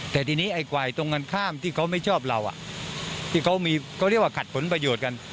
แต่ทีนี้ไอ้ฝ่ายตรงกันข้ามที่เขาไม่ชอบเราที่เขามีเขาเรียกว่าขัดผลประโยชน์กัน